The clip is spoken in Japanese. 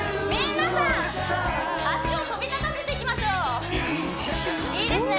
皆さん脚を飛び立たせていきましょういいですね